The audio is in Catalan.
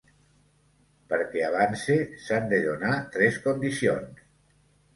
Perquè avance, s’han de donar tres condicions.